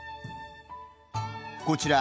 こちら。